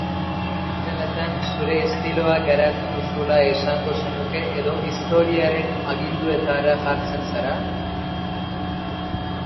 Lan dokumentaletan zure estiloa garatu duzula esango zenuke edo istorioaren aginduetara jartzen zara?